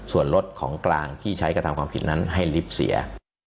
ส่วนรถของกลางที่ใช้กระทำความผิดนั้นให้ลิฟต์เสีย